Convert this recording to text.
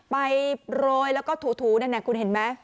ไปโรยแล้วก็ถูได้แน่น่ะกูเห็นไหม